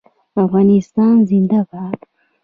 افغانستان زنده باد.